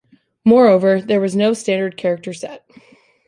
Moreover, there was no standard character set.